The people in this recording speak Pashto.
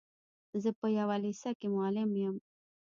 زه په يوه لېسه کي معلم يم.